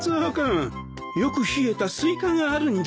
よく冷えたスイカがあるんじゃがな。